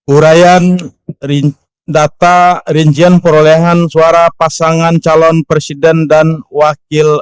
urayan data rincian perolehan suara pasangan calon presiden dan wakil